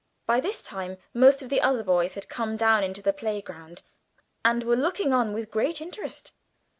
By this time most of the other boys had come down into the playground, and were looking on with great interest.